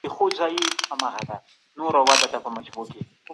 آيا تا د دې ليکوال پخواني اثرونه لوستي دي؟